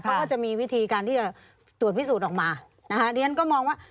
เขาก็จะมีวิธีการที่จะตรวจพิสูจน์ออกมานะคะเรียนก็มองว่า